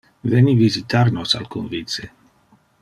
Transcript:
Veni visitar nos alcun vice.